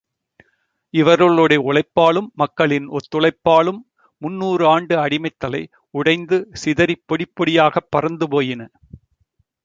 இவர்களுடைய உழைப்பாலும் மக்களின் ஒத்துழைப்பாலும் முன்னூறு ஆண்டு அடிமைத் தளை உடைந்து, சிதறிப் பொடிப் பொடியாகப் பறந்து போயின.